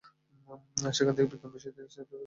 সেখান থেকে বিজ্ঞান বিষয়ে তিনি স্নাতক ডিগ্রী লাভ করেন।